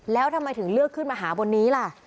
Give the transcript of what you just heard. แล้วทำไมถึงเลือกขึ้นมาหาบนนี้ล่ะ